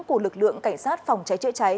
của lực lượng cảnh sát phòng cháy trợ cháy